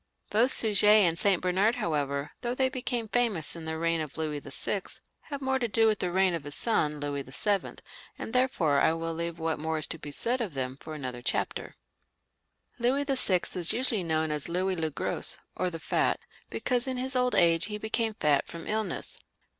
Both Suger and St. Bernard, however, though they became famous in the reign of Louis VI., have more to do with the reign of his son, Louis VII., and therefore I will leave what more is to be said of them for another chapter. Louis VL is usually known as Louis le Gros, or the Fat, because in his old age he became fat from illness.